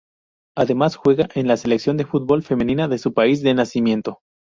Además juega en la selección de fútbol femenina de su país de nacimiento.